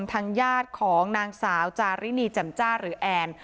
ทางญาติของนางสาวจารินีแจ่มจ้าหรือแอน